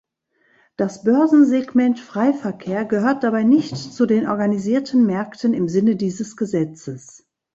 Das Börsensegment Freiverkehr gehört dabei nicht zu den organisierten Märkten im Sinne dieses Gesetzes.